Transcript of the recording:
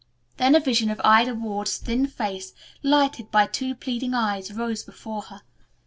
Then a vision of Ida Ward's thin face, lighted by two pleading eyes, rose before her.